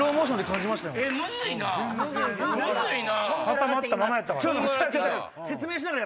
固まったままやったから。